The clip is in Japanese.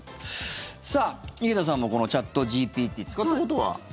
井桁さんもこのチャットＧＰＴ使ったことは？